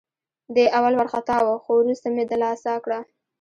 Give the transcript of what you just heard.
دی اول وارخطا وه، خو وروسته مې دلاسا کړه.